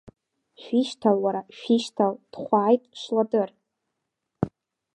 Шәишьҭал, уара, шәишьҭал дхәааит Шлатыр.